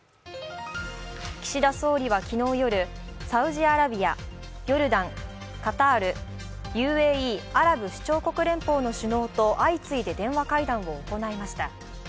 岸田総理は昨日夜、サウジアラビア、ヨルダン、カタール、ＵＡＥ＝アラブ首長国連邦の首脳と相次いで電話会談を行いました。